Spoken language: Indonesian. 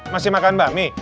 masih makan bakmi